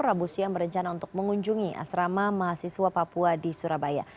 rabu siang berencana untuk mengunjungi asrama mahasiswa papua di surabaya